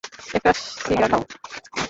একটা সিগার খাও।